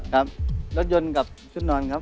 ครับรถยนต์กับชุดนอนครับ